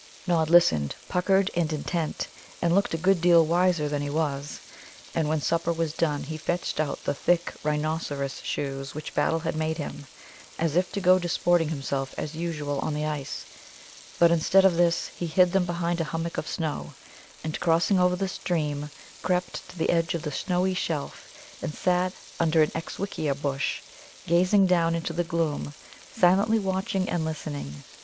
Nod listened, puckered and intent, and looked a good deal wiser than he was. And when supper was done he fetched out the thick rhinoceros shoes which Battle had made him, as if to go disporting himself as usual on the ice. But, instead of this, he hid them behind a hummock of snow, and, crossing over the stream, crept to the edge of the snowy shelf, and sat under an Exxswixxia bush, gazing down into the gloom, silently watching and listening.